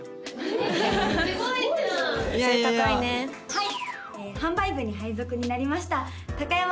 はい。